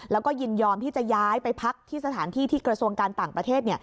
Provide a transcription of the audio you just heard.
แล้วก็ยินยอมที่จะย้ายไปพักที่สถานที่ที่กระทรวงการต่างประเทศ